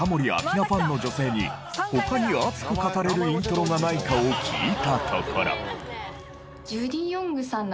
ファンの女性に他に熱く語れるイントロがないかを聞いたところ。